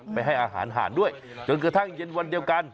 ให้อาหารห่านด้วยจนกระทั่งเย็นวันเดียวกัน